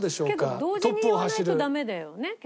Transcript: けど同時に言わないとダメだよね。